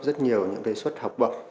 rất nhiều những kế xuất học bậc